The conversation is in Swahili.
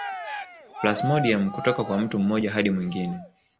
Plasmodiam kutoka kwa mtu mmoja hadi mwingine